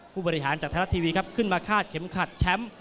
ผู้บริหารจากไทยรัฐทีวีครับขึ้นมาคาดเข็มขัดแชมป์